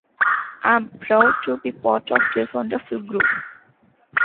I'm proud to be part of this wonderful group.